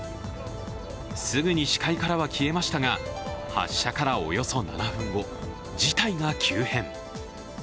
すぐに視界からは消えましたが発射からおよそ７分後、事態が急変。